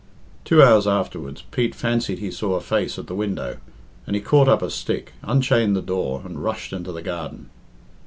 Two hours afterwards Pete fancied he saw a face at the window, and he caught up a stick, unchained the door, and rushed into the garden.